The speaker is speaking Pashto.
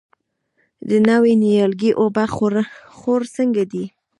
د نوي نیالګي اوبه خور څنګه دی؟